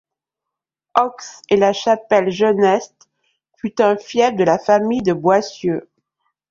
Aux et La Chapelle-Geneste fut un fief de la famille de Boissieux.